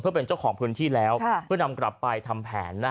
เพื่อเป็นเจ้าของพื้นที่แล้วเพื่อนำกลับไปทำแผน